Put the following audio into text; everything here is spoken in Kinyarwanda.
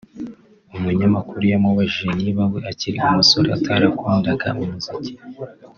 umunyamakuru yamubajije niba we akiri umusore atarakundaga umuziki